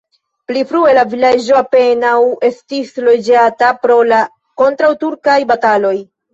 Pli frue la vilaĝo apenaŭ estis loĝata pro la kontraŭturkaj bataloj.